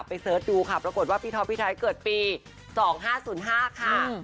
เสิร์ชดูค่ะปรากฏว่าพี่ท็อปพี่ไทยเกิดปี๒๕๐๕ค่ะ